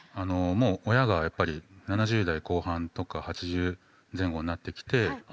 もう親がやっぱり７０代後半とか８０前後になってきてああ